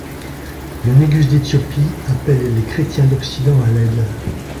Le négus d'Éthiopie appelle les chrétiens d'Occident à l'aide.